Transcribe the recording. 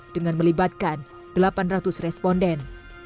dengan melibatkan delapan ratus responden